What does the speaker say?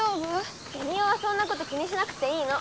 ベニオはそんなこと気にしなくていいの！